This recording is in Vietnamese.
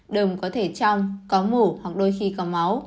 đầm có thể trong có mổ hoặc đôi khi có máu